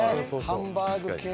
ハンバーグ系。